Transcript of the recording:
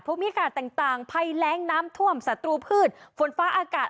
พวกมีอากาศต่างต่างไพล้งน้ำท่วมสตรูพืชฝนฟ้าอากาศ